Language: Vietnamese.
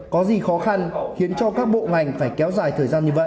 có gì khó khăn khiến cho các bộ ngành phải kéo dài thời gian như vậy